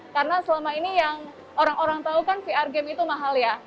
karena selama ini yang orang orang tahu kan vr game itu mahal ya